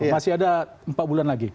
masih ada empat bulan lagi